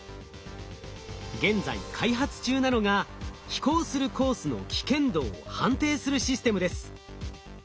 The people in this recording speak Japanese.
現在開発中なのが飛行するコースの危険度を判定するシステムです。